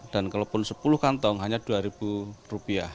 dan kalaupun sepuluh kantong hanya dua ribu rupiah